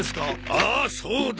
ああそうだ！